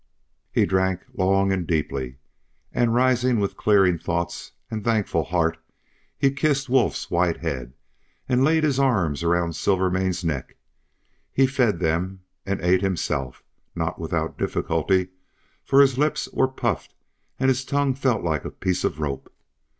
He drank long and deeply, and rising with clearing thoughts and thankful heart, he kissed Wolf's white head, and laid his arms round Silvermane's neck. He fed them, and ate himself, not without difficulty, for his lips were puffed and his tongue felt like a piece of rope.